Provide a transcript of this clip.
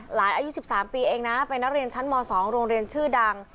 อายุ๑๓ปีเองนะเป็นนักเรียนชั้นม๒โรงเรียนชื่อดัง